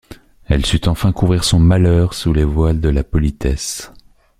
Elle sut enfin couvrir son malheur sous les voiles de la politesse.